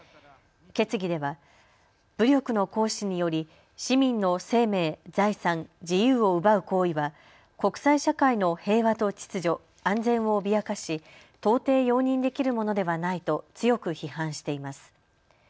決議では武力の行使により市民の生命、財産、自由を奪う行為は国際社会の平和と秩序、安全を脅かし到底容認できるものではないと強く批判しています。